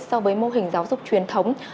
so với mô hình giáo dục truyền thống